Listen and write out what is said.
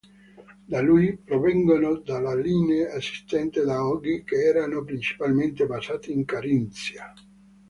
Da lui provengono dalle linee esistenti da oggi, che erano principalmente basate in Carinzia.